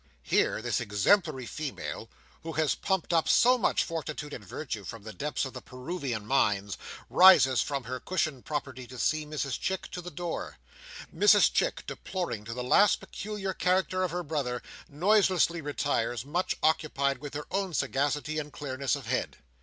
Here this exemplary female, who has pumped up so much fortitude and virtue from the depths of the Peruvian mines, rises from her cushioned property to see Mrs Chick to the door. Mrs Chick, deploring to the last the peculiar character of her brother, noiselessly retires, much occupied with her own sagacity and clearness of head.